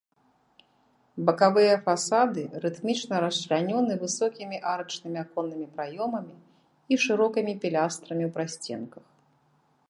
Бакавыя фасады рытмічна расчлянёны высокімі арачнымі аконнымі праёмамі і шырокімі пілястрамі ў прасценках.